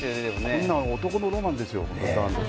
こんなん男のロマンですよ